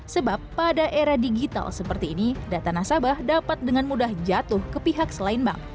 sebab pada era digital seperti ini data nasabah dapat dengan mudah jatuh ke pihak selain bank